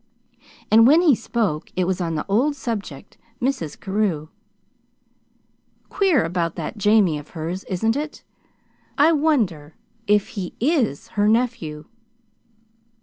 And when he spoke, it was on his old subject, Mrs. Carew. "Queer about that Jamie of hers, isn't it? I wonder if he IS her nephew."